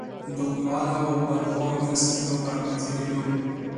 د اوږد مهالو او با دوامه فرصتونو په رامنځ ته کېدو.